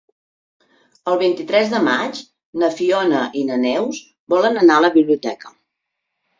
El vint-i-tres de maig na Fiona i na Neus volen anar a la biblioteca.